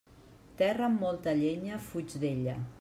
Terra amb molta llenya, fuig d'ella.